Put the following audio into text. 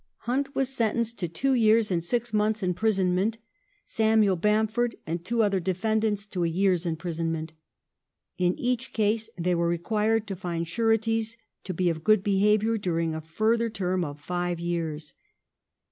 Hunt was sentenced to two years and six months' imprisonment, Samuel Bamford and two other defendants to a year's imprisonment. In each case they were required to find sureties to be of good behaviour during a further term of five years.